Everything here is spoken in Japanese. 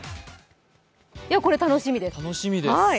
これは楽しみです。